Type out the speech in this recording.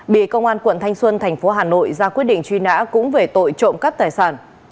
bị công an quận thanh xuân tp hà nội ra quyết định truy nã cũng về tội trộm cắt tài sản